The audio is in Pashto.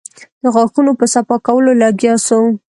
د غاښونو په صفا کولو لگيا سو.